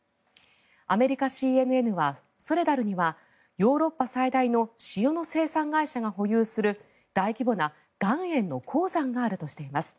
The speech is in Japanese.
アメリカ、ＣＮＮはソレダルにはヨーロッパ最大の塩の生産会社が保有する大規模な岩塩の鉱山があるとしています。